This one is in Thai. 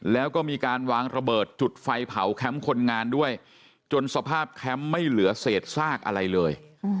แล้วก็มีการวางระเบิดจุดไฟเผาแคมป์คนงานด้วยจนสภาพแคมป์ไม่เหลือเศษซากอะไรเลย